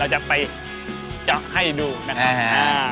เราจะไปจะให้ดูนะครับ